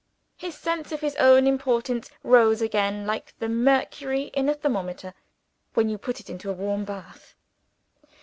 His sense of his own importance rose again, like the mercury in a thermometer when you put it into a warm bath.